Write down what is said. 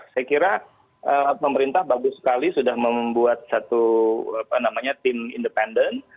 saya kira pemerintah bagus sekali sudah membuat satu tim independen